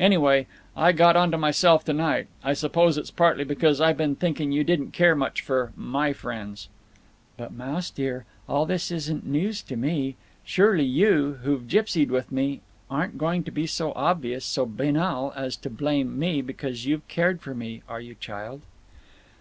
Anyway, I got onto myself tonight. I s'pose it's partly because I been thinking you didn't care much for my friends." "But, Mouse dear, all this isn't news to me. Surely you, who've gipsied with me, aren't going to be so obvious, so banal, as to blame me because you've cared for me, are you, child?"